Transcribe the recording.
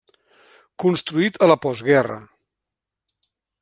Construït a la postguerra.